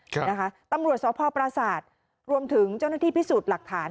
นะคะตำรวจสพปราศาสตร์รวมถึงเจ้าหน้าที่พิสูจน์หลักฐาน